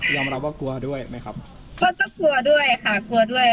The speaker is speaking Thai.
รับว่ากลัวด้วยไหมครับก็กลัวด้วยค่ะกลัวด้วย